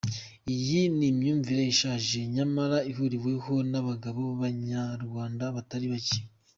Iyi ni imyumvire ishaje, nyamara ihuriweho n’abagabo b’Abanyarwanda, batari bake.